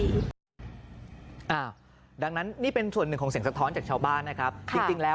เวลารถผ่านนี้คือมองยังไม่รู้ต้องเห็นหน้าขึ้นไป